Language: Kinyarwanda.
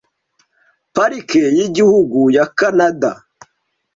Parike y'igihugu ya Kanada